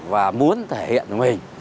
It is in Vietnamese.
và muốn thể hiện mình